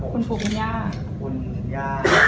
คุณผู้ภูมิย่า